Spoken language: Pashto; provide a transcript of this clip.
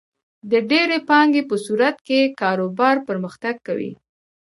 د ډېرې پانګې په صورت کې کاروبار پرمختګ کوي.